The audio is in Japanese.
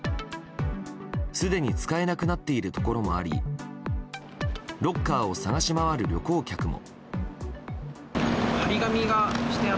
すでに使えなくなっているところもありロッカーを探し回る旅行客も。